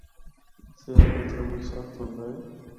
سیال اِتھا مُچ سخت ہوندا اے۔